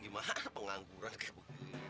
gimana pengangkuran ke bu